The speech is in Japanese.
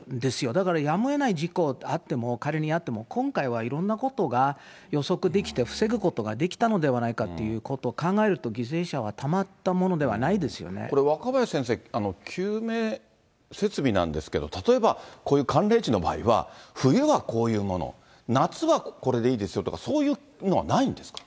だからやむをえない事故であっても、仮にあっても、今回はいろんなことが予測できて、防ぐことができたのではないかということを考えると、犠牲者はたこれ、若林先生、救命設備なんですけど、例えば、こういう寒冷地の場合は、冬はこういうもの、夏はこれでいいですよとか、そういうのはないんですか。